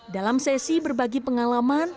dalam sesi berbagi pengalaman